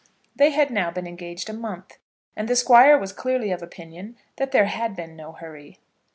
They had now been engaged a month, and the Squire was clearly of opinion that there had been no hurry.